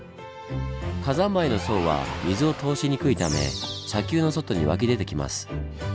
火山灰の層は水を通しにくいため砂丘の外に湧き出てきます。